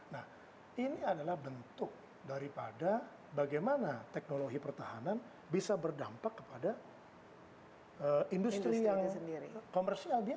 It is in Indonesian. nah ini adalah bentuk daripada bagaimana teknologi pertahanan bisa berdampak kepada industri yang komersial